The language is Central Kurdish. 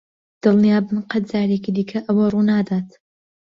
دڵنیابن قەت جارێکی دیکە ئەوە ڕوونادات.